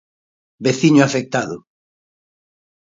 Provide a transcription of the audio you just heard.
Veciño afectado.